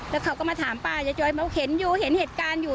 แล้วเขาก็มาถามป้ายายจอยบอกเห็นอยู่เห็นเหตุการณ์อยู่